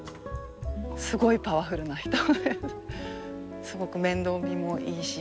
すごいパワフルな人ですごく面倒見もいいし。